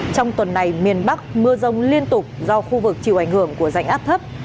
trong tuần này miền bắc mưa rông liên tục do khu vực chịu ảnh hưởng của rãnh áp thấp